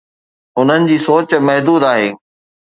انهن جي سوچ محدود آهي.